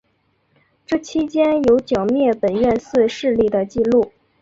这期间有剿灭本愿寺势力的纪录。